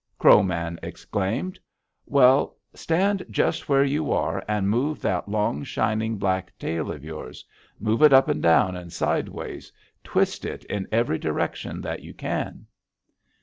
Crow Man exclaimed. 'Well stand just where you are and move that long, shining black tail of yours. Move it up and down, and sideways. Twist it in every direction that you can.'